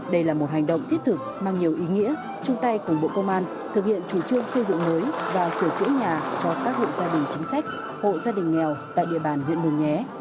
đây là một hành động thiết thực mang nhiều ý nghĩa chung tay cùng bộ công an thực hiện chủ trương xây dựng mới và sửa chữa nhà cho các hộ gia đình chính sách hộ gia đình nghèo tại địa bàn huyện mường nhé